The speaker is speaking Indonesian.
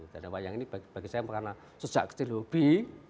dan wayang ini bagi saya karena sejak kecil hobi